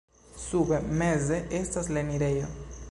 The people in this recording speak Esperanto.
Sube meze estas la enirejo.